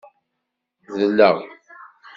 Dleɣ.